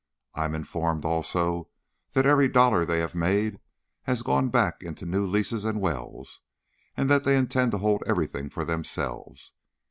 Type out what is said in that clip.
I'm informed also that every dollar they have made has gone back into new leases and wells and that they intend to hold everything for themselves.